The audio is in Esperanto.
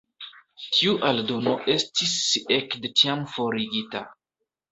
Tiu aldono estis ekde tiam forigita.